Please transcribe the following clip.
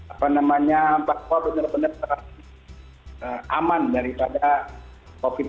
apa namanya pak fau benar benar aman daripada covid sembilan belas